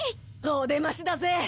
お出ましだぜ！